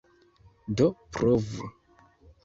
Do provu!